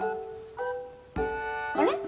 あれ？